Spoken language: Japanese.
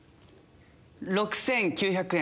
６９００円。